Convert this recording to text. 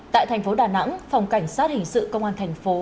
tại thành phố đà nẵng phòng cảnh sát hình sự công an thành phố